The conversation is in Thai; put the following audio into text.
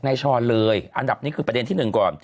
แบบนี้คือประเด็นที่หนึ่งก่อน